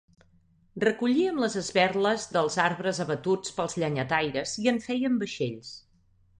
Recollíem les esberles dels arbres abatuts pels llenyataires i en fèiem vaixells.